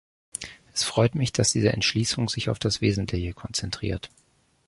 Es freut mich, dass diese Entschließung sich auf das Wesentliche konzentriert.